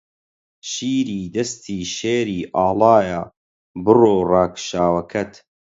شیری دەستی شێری ئاڵایە برۆ ڕاکشاوەکەت